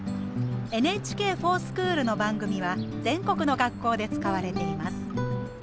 「ＮＨＫｆｏｒＳｃｈｏｏｌ」の番組は全国の学校で使われています。